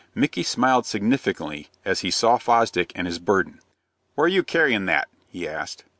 Micky smiled significantly as he saw Fosdick and his burden. "Where are you carryin' that?" he asked.